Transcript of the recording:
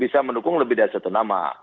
bisa mendukung lebih dari satu nama